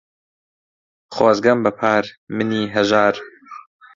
خۆزگهم به پار، منی ههژار